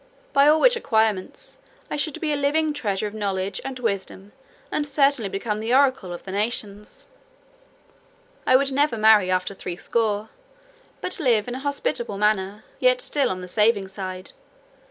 By all which acquirements, I should be a living treasure of knowledge and wisdom, and certainly become the oracle of the nation. "I would never marry after threescore, but live in a hospitable manner, yet still on the saving side.